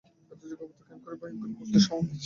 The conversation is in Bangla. এতে যুগপৎ ক্ষেমঙ্করী ও ভয়ঙ্করী মূর্তির সমাবেশ।